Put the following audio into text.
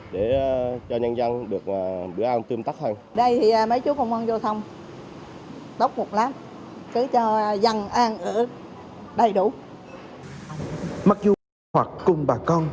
để cho nhân dân được bữa ăn tương tắc hơn